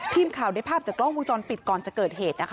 ทีมข่าวได้ภาพจากกล้องวงจรปิดก่อนจะเกิดเหตุนะคะ